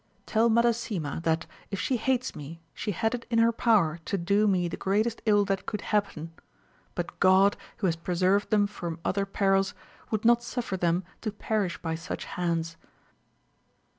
Tell Madasima, that, if she hates me, she had it in her power to do me the greatest ill that could happen ; but God, who has preserved them from other perils, would not suffer them to perish by such hands.